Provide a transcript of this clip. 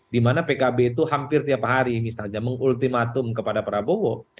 dimana pkb itu hampir tiap hari misalnya mengultimatum kepada prabowo